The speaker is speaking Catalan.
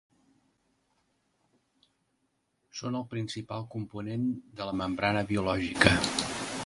Són el principal component de la membrana biològica.